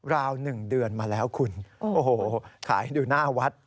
ราว๑เดือนมาแล้วคุณโอ้โหขายดูหน้าวัด